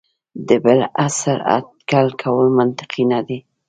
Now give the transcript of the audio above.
د بل عصر اټکل کول منطقي نه دي.